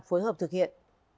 phối hợp thực hiện